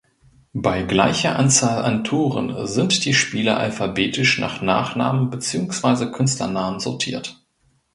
Bei gleicher Anzahl an Toren sind die Spieler alphabetisch nach Nachnamen beziehungsweise Künstlernamen sortiert.